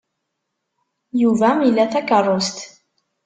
Yuba ila takeṛṛust.